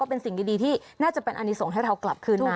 เป็นสิ่งดีที่น่าจะเป็นอันนี้ส่งให้เรากลับคืนมา